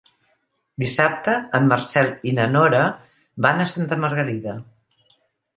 Dissabte en Marcel i na Nora van a Santa Margalida.